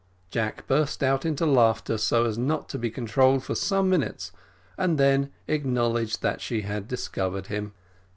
Jack burst out into laughter, not to be controlled for some minutes, an then acknowledged that she had discovered him.